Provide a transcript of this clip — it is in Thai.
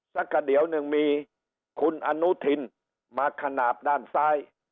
กระเดี๋ยวหนึ่งมีคุณอนุทินมาขนาดด้านซ้าย